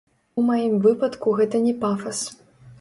У маім выпадку гэта не пафас.